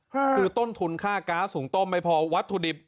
คือต้นทุนค่าก๊าซสูงต้มไม่พอวัตถุดิบ